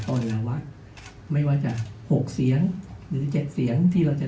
อวัยวะไม่ว่าจะหกเสียงหรือเจ็ดเสียงที่เราจะ